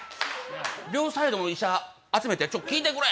両サイドの医者集めて「ちょっと聞いてくれ！」